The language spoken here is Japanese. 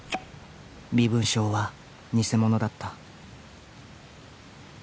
「身分証は偽物だった」